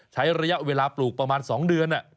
ใช้ระยะเวลาปลูกประมาณ๒เดือน